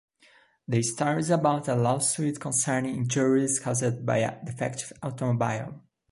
The story is about a lawsuit concerning injuries caused by a defective automobile.